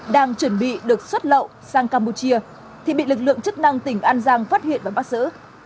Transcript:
đang chuẩn bị được xuất lậu sang campuchia thì bị lực lượng chức năng tỉnh an giang phát hiện và bắt giữ